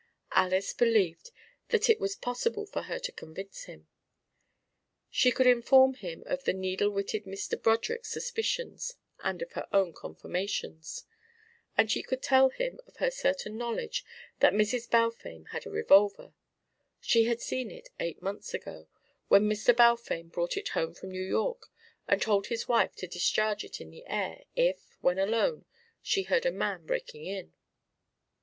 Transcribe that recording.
Alys believed that it was possible for her to convince him. She could inform him of the needle witted Mr. Broderick's suspicions and of her own confirmations; and she could tell him of her certain knowledge that Mrs. Balfame had a revolver; she had seen it eight months ago, when Balfame brought it home from New York and told his wife to discharge it in the air if, when alone, she heard a man breaking in.